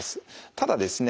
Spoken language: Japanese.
ただですね